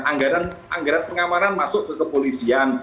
anggaran pengamanan masuk ke kepolisian